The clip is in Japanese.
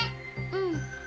うん。